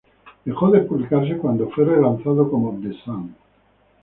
Dejó de publicarse cuando fue relanzado como "The Sun".